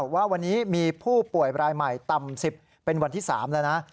ว่าวันนี้มีผู้ป่วยรายใหม่ต่ำ๑๐เป็นวันที่๓แล้วนะ